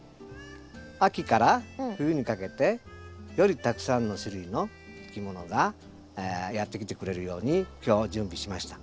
秋から冬にかけてよりたくさんの種類のいきものがやって来てくれるように今日準備しました。